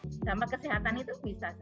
sama kesehatan itu bisa